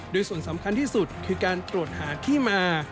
โดยส่วนสำคัญที่สุดคือการตรวจหาที่มา